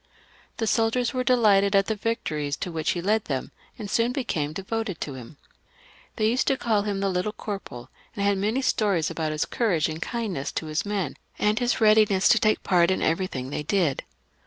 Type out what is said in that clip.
The soldiers were delighted at the victories to which he led them, and soon became devoted to him. They used to caU him the Little Corporal, and had many stories about his courage and kindness to his men, and his readiness to take part in everything they did.